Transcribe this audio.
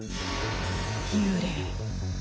幽霊。